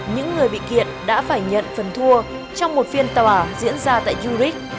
những người bị kiện đã phải nhận phần thua trong một phiên tòa diễn ra tại yurich